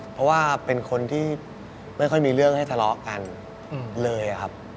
เพราะว่าเป็นคนที่ไม่ค่อยมีเรื่องให้ทะเลาะกันเลยครับ